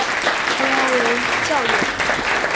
成员为教友。